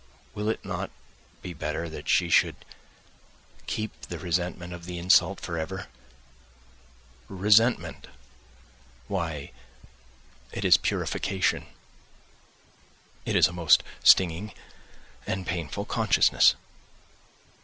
"Will it not be better that she should keep the resentment of the insult for ever? Resentment—why, it is purification; it is a most stinging and painful consciousness!